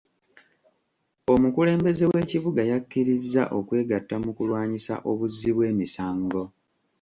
Omukulembeze w'ekibuga yakkirizza okwegatta mu kulwanyisa obuzzi bw'emisango.